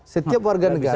setiap warga negara